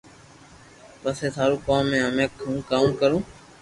پسي ٿارو ڪوم ھي ھمي ھون ڪاو ڪرو